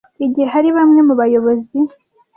igihe hari bamwe mu bayobozi